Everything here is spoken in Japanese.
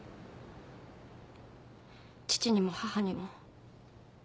父にも母にも。